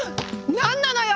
何なのよ！